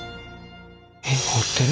えっ彫ってる？